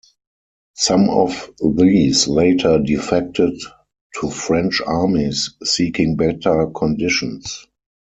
Some of these later defected to French armies seeking better conditions.